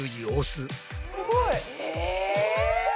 すごい！